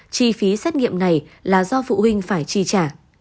chi phí xét nghiệm này là do phụ huynh phải chi trả